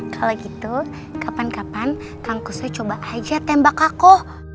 kalau gitu kapan kapan kangku saya coba aja tembak aku